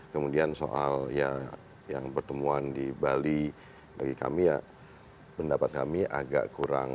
kemudian soal ya yang pertemuan di bali bagi kami ya pendapat kami agak kurang